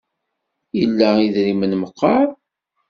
Ila idrimen meqqar?